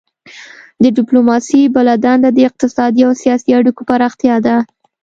د ډیپلوماسي بله دنده د اقتصادي او سیاسي اړیکو پراختیا ده